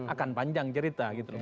akan panjang cerita